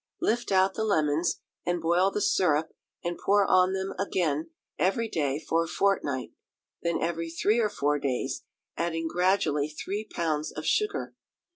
Lift out the lemons, and boil the syrup and pour on them again every day for a fortnight, then every three or four days, adding gradually three pounds of sugar.